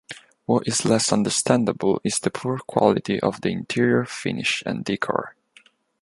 What is less understandable is the poor quality of the interior finish and decor.